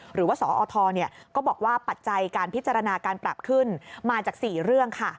หรือว่าสอทก็บอกว่าปัจจัยการพิจารณาการปรับขึ้นมาจาก๔เรื่องค่ะ